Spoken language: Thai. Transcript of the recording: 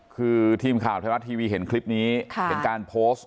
คือทีมข่าวไทยรัฐทีวีเห็นคลิปนี้เป็นการโพสต์